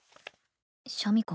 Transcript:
シャミ子